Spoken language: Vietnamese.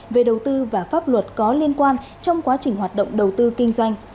về đầu tư và pháp luật có liên quan trong quá trình hoạt động đầu tư kinh doanh